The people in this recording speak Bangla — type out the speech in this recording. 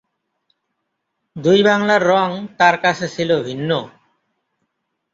দুই বাংলার রঙ তার কাছে ছিল ভিন্ন।